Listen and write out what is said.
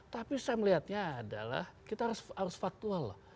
tapi saya melihatnya adalah kita harus faktual loh